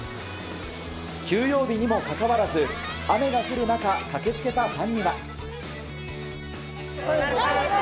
休養日にもかかわらず雨が降る中駆け付けたファンには。